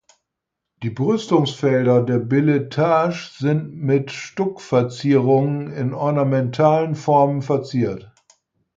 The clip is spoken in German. Die Brüstungsfelder der Beletage sind mit Stuckverzierungen in ornamentalen Formen verziert.